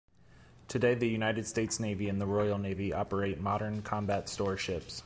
Today, the United States Navy and the Royal Navy operate modern combat store ships.